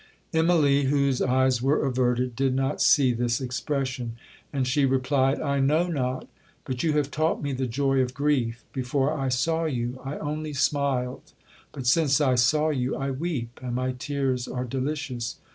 'Immalee, whose eyes were averted, did not see this expression, and she replied, 'I know not, but you have taught me the joy of grief; before I saw you I only smiled, but since I saw you, I weep, and my tears are delicious.